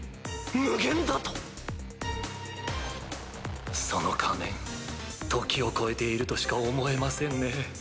無限だと⁉その仮面時を超えているとしか思えませんね。